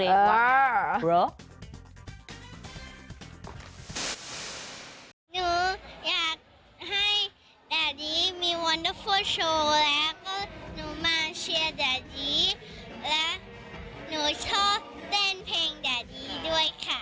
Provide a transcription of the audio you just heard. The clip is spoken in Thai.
และหนูชอบเต้นเพลงดาดีด้วยค่ะ